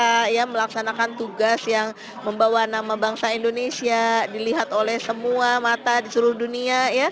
kita melaksanakan tugas yang membawa nama bangsa indonesia dilihat oleh semua mata di seluruh dunia ya